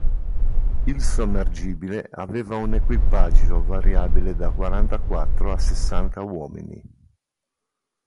Il sommergibile aveva un equipaggio variabile da quarantaquattro a sessanta uomini.